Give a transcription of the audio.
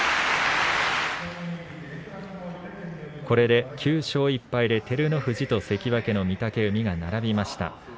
これで９勝１敗で照ノ富士と関脇の御嶽海が並びました。